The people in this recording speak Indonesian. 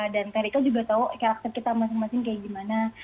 dan terika juga tau karakter kita masing masing kayak gimana